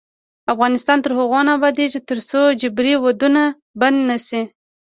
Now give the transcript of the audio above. افغانستان تر هغو نه ابادیږي، ترڅو جبري ودونه بند نشي.